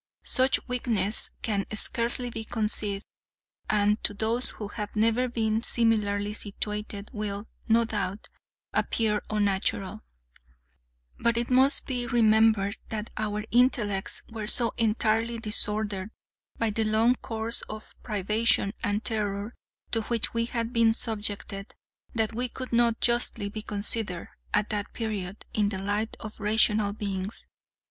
Such weakness can scarcely be conceived, and to those who have never been similarly situated will, no doubt, appear unnatural; but it must be remembered that our intellects were so entirely disordered by the long course of privation and terror to which we had been subjected, that we could not justly be considered, at that period, in the light of rational beings.